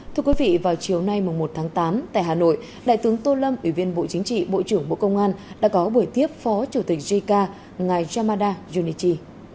thưa quý vị vào chiều nay một tháng tám tại hà nội đại tướng tô lâm ủy viên bộ chính trị bộ trưởng bộ công an đã có buổi tiếp phó chủ tịch jica ngài yamada junichi